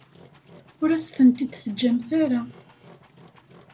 Ur as-tent-id-teǧǧamt ara.